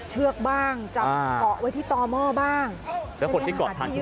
เฮ้ยเฮ้ยเฮ้ยเฮ้ย